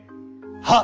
はっ。